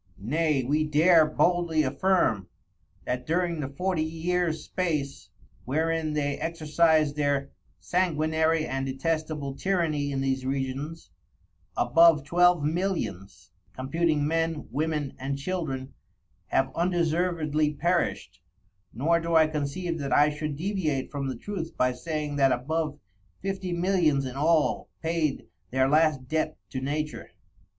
Nay we dare boldly affirm, that during the Forty Years space, wherein they exercised their sanguinary and detestable Tyranny in these Regions, above Twelve Millions (computing Men, Women, and Children) have undeservedly perished; nor do I conceive that I should deviate from the Truth by saying that above Fifty Millions in all paid their last Debt to Nature.